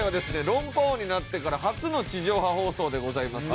『論破王』になってから初の地上波放送でございます。